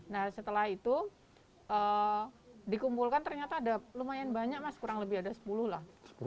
nah setelah itu dikumpulkan ternyata ada lumayan banyak mas kurang lebih ada sepuluh lah